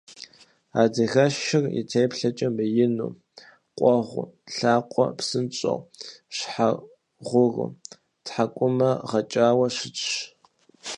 Адыгэшыр и теплъэкӀэ мыину, къуэгъуу, лъакъуэ псыгъуэу, щхьэ гъуру, тхьэкӀумэ гъэкӀауэ щытщ.